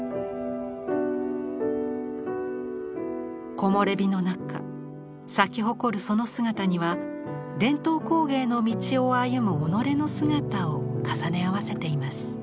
木洩日の中咲き誇るその姿には伝統工芸の道を歩む己の姿を重ね合わせています。